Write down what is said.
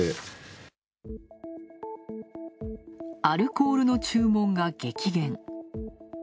アルコールの注文が激減。